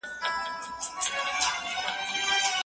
آیا ته د خپل درس لپاره انټرنیټ کاروې؟